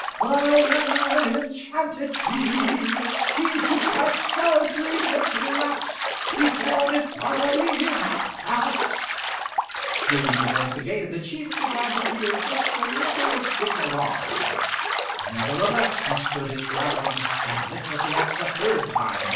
I am an enchanted tree. He who strikes shall breathe his last Before Midsummer Eve hath passed." Hearing the voice again, the chief began to feel just the littlest bit alarmed; nevertheless, he stood his ground and lifted the axe a third time.